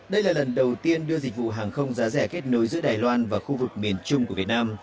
đây là lần đầu tiên đưa dịch vụ hàng không giá rẻ kết nối giữa đài loan và khu vực miền trung của việt nam